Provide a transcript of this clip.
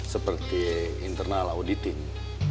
seperti internal auditing